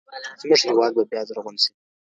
زموږ هېواد به بیا زرغون سي.